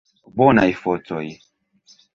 Bonaj fotoj!